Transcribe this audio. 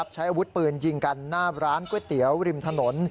ใช้อาวุธปืนยิงกันหน้าร้านก๋วยเตี๋ยวริมถนน